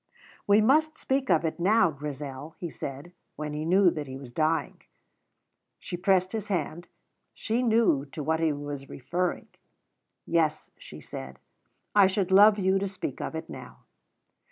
"We must speak of it now, Grizel," he said, when he knew that he was dying. She pressed his hand. She knew to what he was referring. "Yes," she said, "I should love you to speak of it now."